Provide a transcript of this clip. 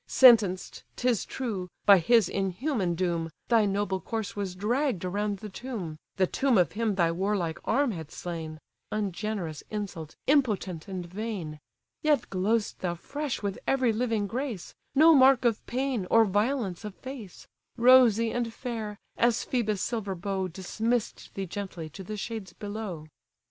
Sentenced, 'tis true, by his inhuman doom, Thy noble corse was dragg'd around the tomb; (The tomb of him thy warlike arm had slain;) Ungenerous insult, impotent and vain! Yet glow'st thou fresh with every living grace; No mark of pain, or violence of face: Rosy and fair! as Phœbus' silver bow Dismiss'd thee gently to the shades below."